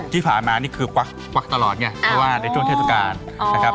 ที่ผ่านมานี่คือควักตลอดไงเพราะว่าในช่วงเทศกาลนะครับ